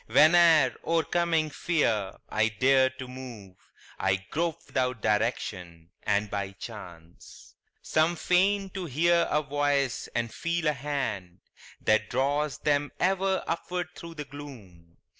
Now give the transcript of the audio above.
Whene'er, o'ercoming fear, I dare to move, I grope without direction and by chance. Some feign to hear a voice and feel a hand That draws them ever upward thro' the gloom.